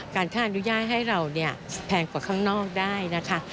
การท่านุญาตให้เราแพงกว่าข้างนอกได้นะคะ